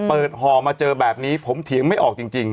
ห่อมาเจอแบบนี้ผมเถียงไม่ออกจริง